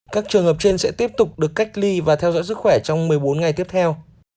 các trường hợp trên sẽ tiếp tục được cách ly và theo dõi sức khỏe trong một mươi bốn ngày tiếp theo